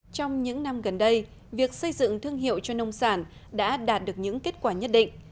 trong những năm gần đây việc xây dựng thương hiệu cho nông sản đã đạt được những kết quả nhất định